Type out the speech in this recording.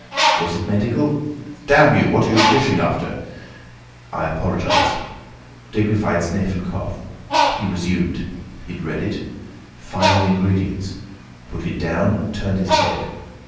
Was it medical? 'Damn you! What are you fishing after?' I apologised. Dignified sniff and cough. He resumed. He'd read it. Five ingredients. Put it down; turned his head.